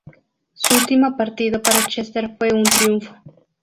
Su último partido para Chester fue un triunfo.